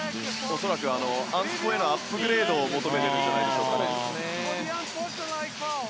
恐らくアンスポへのアップグレードを求めているんじゃないでしょうか。